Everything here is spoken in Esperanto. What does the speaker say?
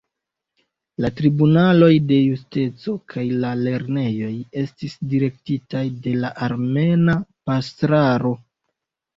La tribunaloj de justeco kaj la lernejoj estis direktitaj de la armena pastraro.